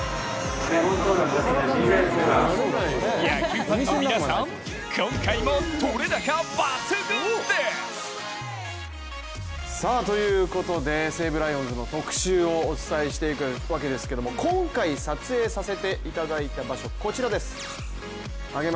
野球ファンの皆さんも今回も撮れ高、抜群です。ということで、西武ライオンズの特集をお伝えしていくわけですけれども今回、撮影させていただいた場所、こちらです。